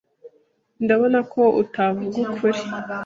Ndabona ko utavuga ukuri.